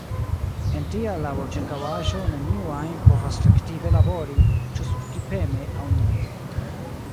En tia laborĉirkaŭaĵo neniu ajn povas efektive labori - ĉu skipeme aŭ ne.